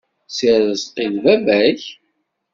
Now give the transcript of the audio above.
Si Rezqi d baba-k?